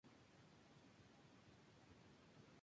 La gran mayoría de estas esculturas tenían una función votiva.